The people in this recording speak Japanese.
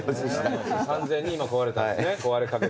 完全に今壊れたんですね。